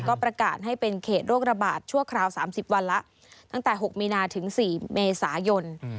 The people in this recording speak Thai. ก็ประกาศให้เป็นเขตโรคระบาดชั่วคราว๓๐วันแล้วตั้งแต่๖มีนาถึง๔เมษายน